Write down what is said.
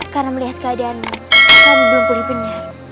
karena melihat keadaanmu kami belum pulih benar